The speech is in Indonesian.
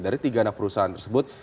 dari tiga anak perusahaan tersebut